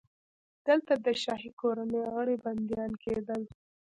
دلته د شاهي کورنۍ غړي بندیان کېدل.